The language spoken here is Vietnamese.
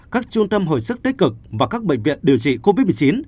các trung tâm hồi sức tích cực và các bệnh viện điều trị covid một mươi chín